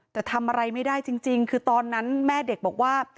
แต่ทำอะไรไม่ได้จริงคือตอนนั้นแม่เด็กบอกว่า